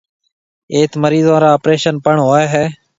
ايٿ مريضون را آپريشن پڻ ھوئيَ ھيََََ